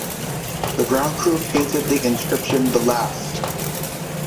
The ground crew painted the inscription The Last!